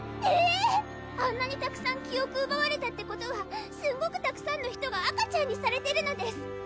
えぇ⁉あんなにたくさん記憶うばわれたってことはすんごくたくさんの人が赤ちゃんにされてるのです！